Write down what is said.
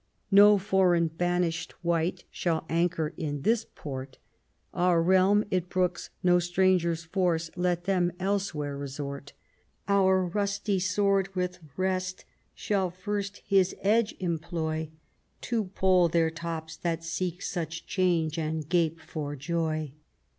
No foreign baiiislied wight shall anchor in this port ; Our realm it brooks no stranger's force, let them elsewhere resort. Our rusty sword with rest shall first his edge employ. To poll their tops that seek such change and gape for joy.